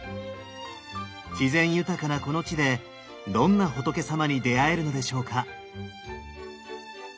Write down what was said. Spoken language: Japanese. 自然豊かなこの地でどんな仏さまに出会えるのでしょうか。